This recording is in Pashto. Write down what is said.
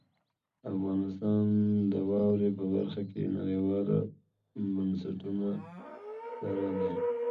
افغانستان د واورې په برخه کې نړیوالو بنسټونو سره دی.